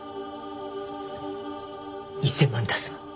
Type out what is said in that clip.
１０００万出すわ。